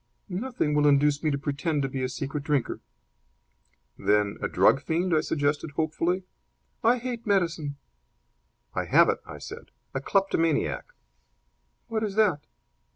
"Nothing will induce me to pretend to be a secret drinker." "Then a drug fiend?" I suggested, hopefully. "I hate medicine." "I have it!" I said. "A kleptomaniac." "What is that?"